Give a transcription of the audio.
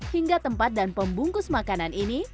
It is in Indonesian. hingga tempat dan pembungkus makanan ini